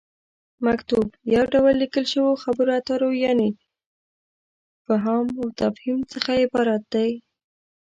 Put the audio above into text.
مکتوب: یو ډول ليکل شويو خبرو اترو یعنې فهام وتفهيم څخه عبارت دی